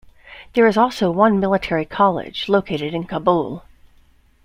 There is also one military college, located in Kabul.